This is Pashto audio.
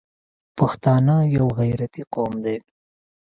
پښتانه یو غیرتي قوم دی.